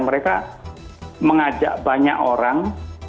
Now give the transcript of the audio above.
mereka mengajak banyak orang